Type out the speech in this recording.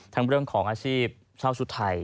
เรื่องของอาชีพเช่าชุดไทย